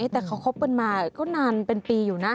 แต่เขาคบกันมาก็นานเป็นปีอยู่นะ